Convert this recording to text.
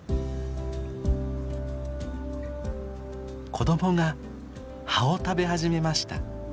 子どもが葉を食べ始めました。